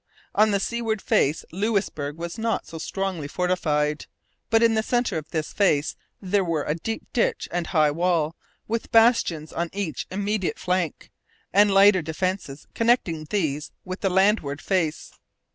On the seaward face Louisbourg was not so strongly fortified; but in the centre of this face there were a deep ditch and high wall, with bastions on each immediate flank, and lighter defences connecting these with the landward face.